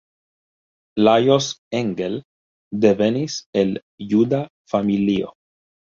Lajos Engel devenis el juda familio.